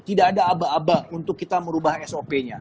tidak ada aba aba untuk kita merubah sop nya